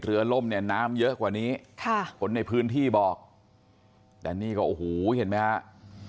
ล่มเนี่ยน้ำเยอะกว่านี้ค่ะคนในพื้นที่บอกแต่นี่ก็โอ้โหเห็นไหมฮะ